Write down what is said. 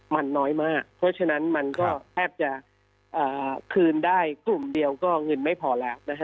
มันน้อยมากเพราะฉะนั้นมันก็แทบจะคืนได้กลุ่มเดียวก็เงินไม่พอแล้วนะฮะ